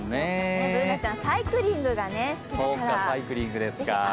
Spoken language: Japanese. Ｂｏｏｎａちゃん、サイクリングが好きだから。